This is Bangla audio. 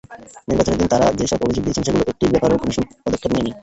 নির্বাচনের দিন তাঁরা যেসব অভিযোগ দিয়েছেন, সেগুলোর একটির ব্যাপারেও কমিশন পদক্ষেপ নেয়নি।